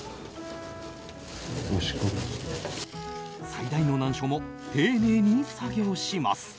最大の難所も丁寧に作業します。